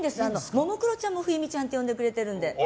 ももクロちゃんも冬美ちゃんって呼んでくれてるので。